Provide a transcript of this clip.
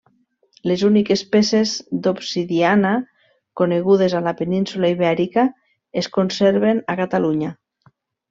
Les úniques peces d'obsidiana conegudes a la península Ibèrica es conserven a Catalunya.